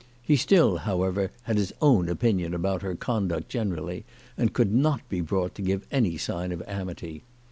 He still, however, had his own opinion about her conduct gene rally, and could not be brought to give any sign of amity.